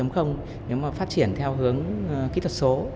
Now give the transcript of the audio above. công nghiệp bốn nếu mà phát triển theo hướng kỹ thuật số